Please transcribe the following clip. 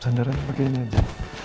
sandaran pake ini aja